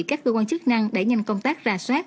các cơ quan chức năng đẩy nhanh công tác rà soát